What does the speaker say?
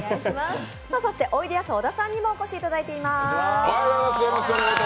そしておいでやす小田さんにもお越しいただいています。